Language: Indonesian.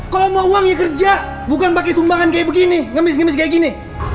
kalau mau uang ya kerja bukan pakai sumbangan kayak begini ngemis ngemis kayak gini